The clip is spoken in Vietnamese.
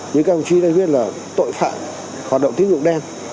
những cái hội trí đây biết là tội phạm hoạt động tín dụng đen